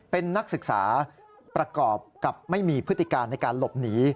เป็นนักศึกษาประกอบกับไม่มีพฤติการในการหลบหนี